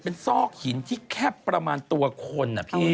เป็นซอกหินที่แคบประมาณตัวคนนะพี่